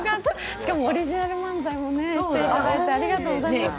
しかもオリジナル漫才もしていただいてありがとうございました。